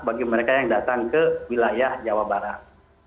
bagi mereka yang datang ke wilayah jawa barat